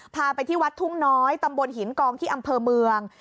พาไปที่วัดทุ่งน้อยตำบลหินกองที่อำเภอเมือง